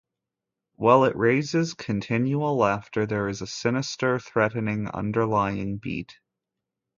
While it raises continual laughter there is a sinister threatening underlying beat.